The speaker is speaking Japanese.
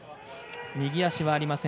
右足はありません。